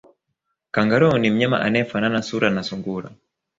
Kangaroo ni mnyama anayefanana sura na sungura